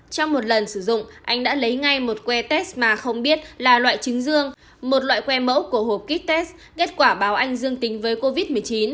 trong một lần sử dụng anh đã lấy ngay một que test mà không biết là loại trứng dương một loại que mẫu của hộp kites kết quả báo anh dương tính với covid một mươi chín